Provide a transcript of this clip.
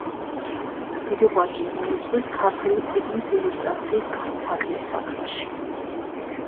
დიდი ღვაწლი მიუძღვის ქართული წიგნის ილუსტრაციის განვითარების საქმეში.